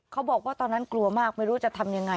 เขาบอกว่าตอนนั้นกลัวมากไม่รู้จะทำยังไง